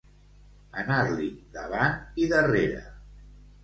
Anar-li davant i darrere.